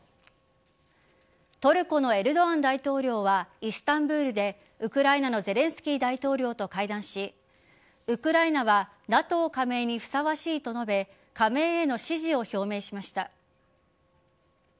トルコのエルドアン大統領はイスタンブールでウクライナのゼレンスキー大統領と会談しウクライナはＮＡＴＯ加盟にふさわしいと述べ加盟への支持を表明しました。